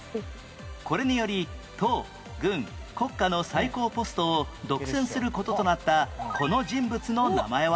これにより党軍国家の最高ポストを独占する事となったこの人物の名前は？